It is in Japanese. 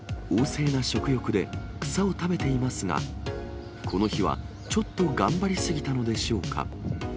旺盛な食欲で草を食べていますが、この日はちょっと頑張り過ぎたのでしょうか。